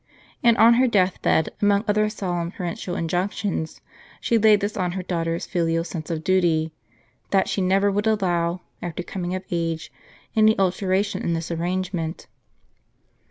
And on her death bed, among other solemn parental injunctions, she laid this on her daughter's filial sense of duty, that she never would allow, after coming of age, any alteration in this arrange ment.